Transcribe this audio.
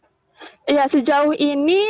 ya baik bagaimana dengan warga negara indonesia di sana